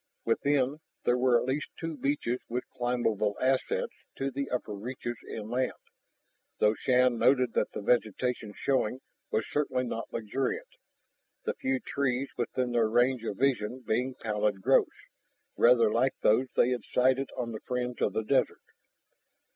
Within, there were at least two beaches with climbable ascents to the upper reaches inland. Though Shann noted that the vegetation showing was certainly not luxuriant, the few trees within their range of vision being pallid growths, rather like those they had sighted on the fringe of the desert.